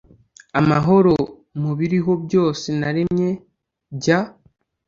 amahoro mu biriho byose naremye, jya